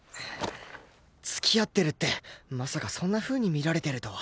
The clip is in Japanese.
付き合ってるってまさかそんなふうに見られてるとは